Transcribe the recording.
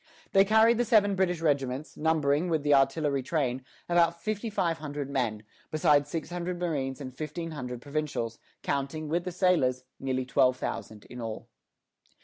They carried the seven British regiments, numbering, with the artillery train, about fifty five hundred men, besides six hundred marines and fifteen hundred provincials; counting, with the sailors, nearly twelve thousand in all.